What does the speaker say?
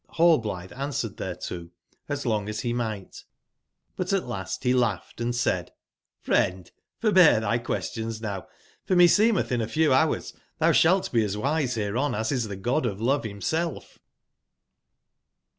Rallblithe answered thereto as long as he might, but at last he laughed and said :*' friend, for bear thy questions now ; for meseemeth in a few hours thou shalt be as wise hereon as is the God of Love hi mself.''